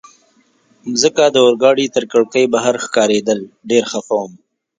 مځکه د اورګاډي تر کړکۍ بهر ښکارېدل، ډېر خفه وم.